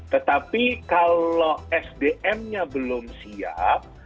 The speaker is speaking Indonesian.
tetapi kalau sdmnya belum siap